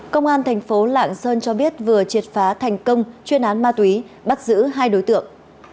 công an thành phố lạng sơn cho biết vừa triệt phá thành công chuyên án ma túy bắt giữ hai đối tượng